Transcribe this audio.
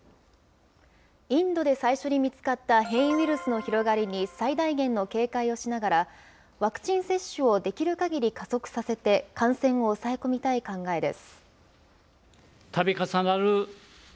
インドで最初に見つかった変異ウイルスの広がりに最大限の警戒をしながら、ワクチン接種をできるかぎり加速させて、感染を抑え込みたい考えです。